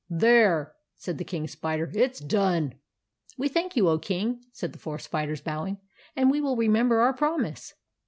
"There!" said the King Spider. " It s done." " We thank you, O King," said the four spiders, bowing ;" and we will remember our promise."